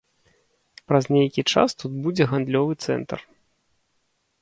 Праз нейкі час тут будзе гандлёвы цэнтр.